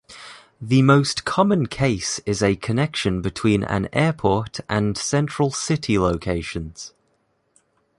The most common case is a connection between an airport and central city locations.